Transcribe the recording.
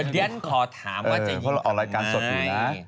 เดี้ยนขอถามว่าจะยิงทำไม